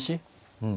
うん。